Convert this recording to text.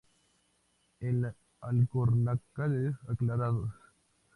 En alcornocales aclarados.